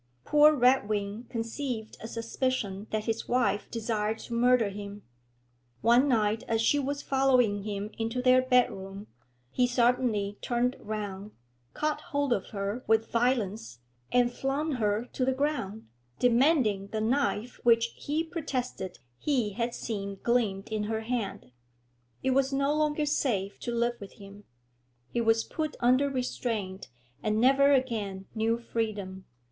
Poor Redwing conceived a suspicion that his wife desired to murder him; one night as she was following him into their bedroom, he suddenly turned round, caught hold of her with violence, and flung her to the ground, demanding the knife which he protested he had seen gleam in her hand. It was no longer safe to live with him; he was put under restraint, and never again knew freedom.